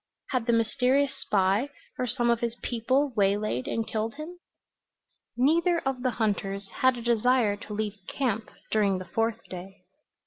Had the mysterious spy, or some of his people, waylaid and killed him? Neither of the hunters had a desire to leave camp during the fourth day.